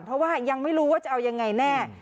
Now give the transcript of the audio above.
เพราะว่ายังไม่รู้ว่าจะเอายังไงแน่